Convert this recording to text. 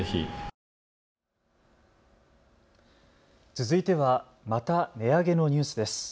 続いてはまた値上げのニュースです。